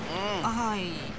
はい。